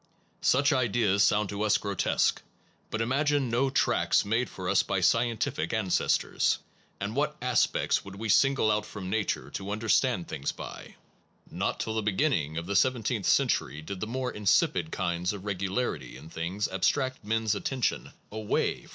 Such ideas sound to us grotesque, but im agine no tracks made for us by scientific an cestors, and what aspects would we single out from nature to understand things by? Not till the beginning of the seventeenth century did the more insipid kinds of regularity in things abstract men s attention away from the prop 1 On Greek science, see W.